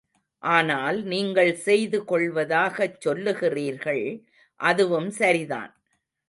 ஆனால் நீங்கள் செய்து கொள்வதாகச் சொல்லுகிறீர்கள், அதுவும் சரிதான்.